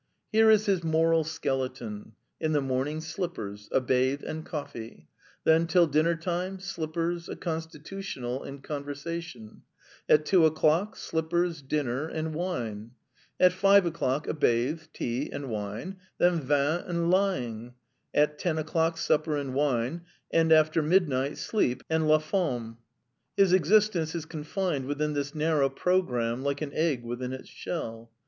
Here is his moral skeleton: in the morning, slippers, a bathe, and coffee; then till dinner time, slippers, a constitutional, and conversation; at two o'clock slippers, dinner, and wine; at five o'clock a bathe, tea and wine, then vint and lying; at ten o'clock supper and wine; and after midnight sleep and la femme. His existence is confined within this narrow programme like an egg within its shell.